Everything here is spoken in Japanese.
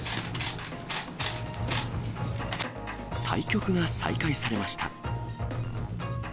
対局が再開されました。